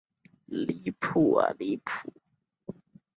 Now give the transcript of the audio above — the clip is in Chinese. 长穗蜡瓣花为金缕梅科蜡瓣花属下的一个种。